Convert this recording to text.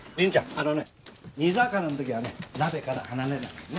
あのね煮魚の時はね鍋から離れないようにね。